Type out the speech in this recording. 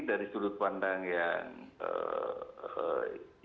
dari sudut pandang yang